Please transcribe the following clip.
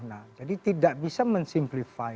nah jadi tidak bisa mensimplifie